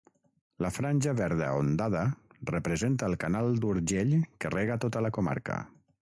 La franja verda ondada representa el Canal d'Urgell que rega tota la comarca.